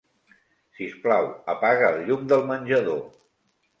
Sisplau, apaga el llum del menjador.